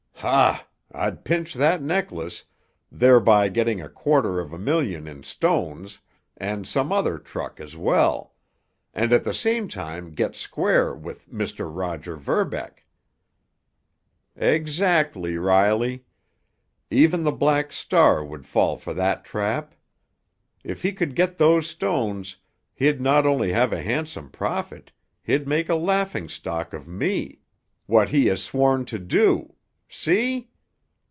"Ha! I'd pinch that necklace, thereby getting a quarter of a million in stones, and some other truck as well—and at the same time get square with Mr. Roger Verbeck." "Exactly, Riley! Even the Black Star would fall for that trap. If he could get those stones, he'd not only have a handsome profit, he'd make a laughingstock of me—what he has sworn to do. See?"